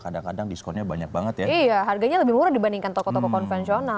kadang kadang diskonnya banyak banget ya iya harganya lebih murah dibandingkan toko toko konvensional